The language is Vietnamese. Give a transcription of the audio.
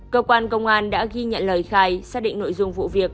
cơ quan công an đã ghi nhận lời khai xác định nội dung vụ việc